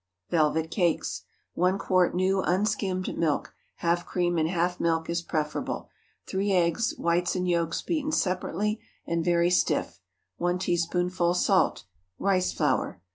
VELVET CAKES. 1 quart new unskimmed milk—half cream and half milk is preferable. 3 eggs, whites and yolks beaten separately, and very stiff. 1 teaspoonful salt. Rice flour.